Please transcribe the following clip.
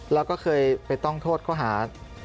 แล้วก็เคยไปต้องโทษเขาหา